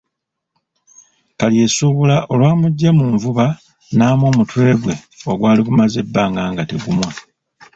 Kalyesuubula olwamuggya mu nvuba n'amwa omutwe gwe ogwali gumaze ebbanga nga tegumwa.